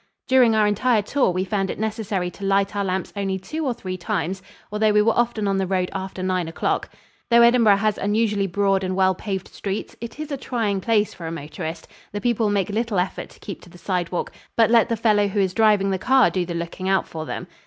During our entire tour we found it necessary to light our lamps only two or three times, although we were often on the road after nine o'clock. Though Edinburgh has unusually broad and well paved streets, it is a trying place for a motorist. The people make little effort to keep to the sidewalk, but let the fellow who is driving the car do the looking out for them.